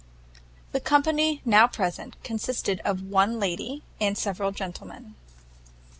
The company now present consisted of one lady and several gentlemen.